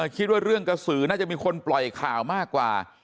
คิดว่าเรื่องกระสือน่าจะมีคนปล่อยข่าวมากกว่า